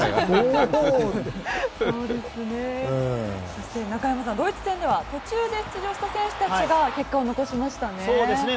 そして、中山さんドイツ戦では途中で出場した選手たちが結果を残しましたね。